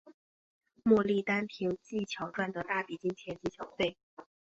莫莉单凭技巧赚得大笔金钱及小费。